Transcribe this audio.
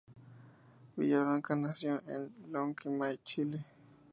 Villablanca nació en Lonquimay, Chile.